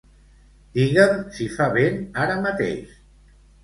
Digue'm si fa vent ara mateix.